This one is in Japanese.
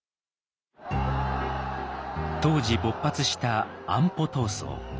当時勃発した安保闘争。